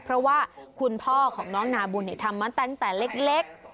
เพราะว่าคุณพ่อของน้องนาบุญทำมาตั้งแต่เล็ก